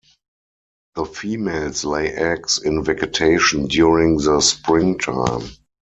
The females lay eggs in vegetation during the springtime.